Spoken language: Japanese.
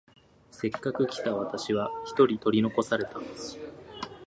せっかく来た私は一人取り残された。